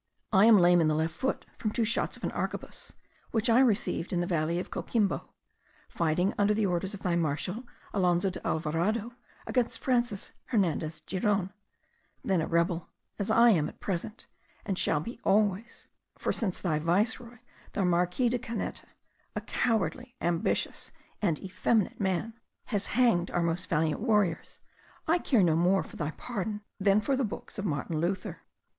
I am lame in the left foot from two shots of an arquebuss, which I received in the valley of Coquimbo, fighting under the orders of thy marshal, Alonzo de Alvarado, against Francis Hernandez Giron, then a rebel, as I am at present, and shall be always; for since thy viceroy, the Marquis de Canete, a cowardly, ambitious, and effeminate man, has hanged our most valiant warriors, I care no more for thy pardon than for the books of Martin Luther.